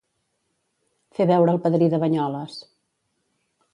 Fer veure el padrí de Banyoles.